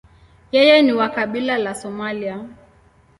Yeye ni wa kabila la Somalia.